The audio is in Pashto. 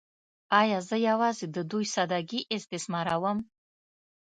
“ایا زه یوازې د دوی ساده ګۍ استثماروم؟